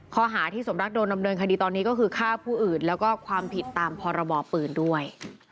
ข้อหาที่สมรักโดนดำเนินคดีตอนนี้ก็คือฆ่าผู้อื่นแล้วก็ความผิดตามพรบปืนด้วย